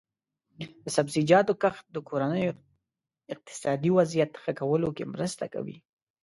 د سبزیجاتو کښت د کورنیو اقتصادي وضعیت ښه کولو کې مرسته کوي.